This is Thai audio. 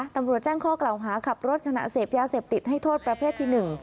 ตำรวจแจ้งข้อกล่าวหาขับรถขณะเสพยาเสพติดให้โทษประเภทที่๑